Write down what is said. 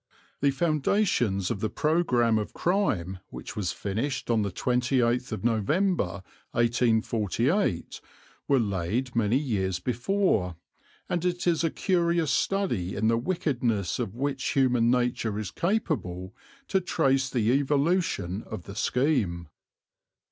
The foundations of the programme of crime which was finished on the 28th of November, 1848, were laid many years before, and it is a curious study in the wickedness of which human nature is capable to trace the evolution of the scheme.